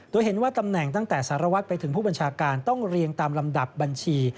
โดยเห็นว่าตำแหน่งตั้งแต่สารวัตรไปถึงผู้บัญชาการต้องเรียงตามลำดับบัญชี